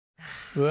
うわ。